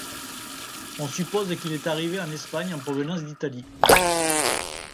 On suppose qu'il est arrivé en Espagne en provenance d'Italie.